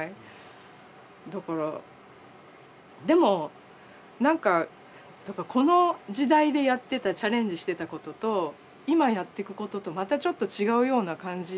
だからでも何かこの時代でやってたチャレンジしてたことと今やってくこととまたちょっと違うような感じがしませんか？